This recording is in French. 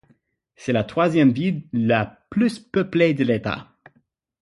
C’est la troisième ville la plus peuplée de l’État.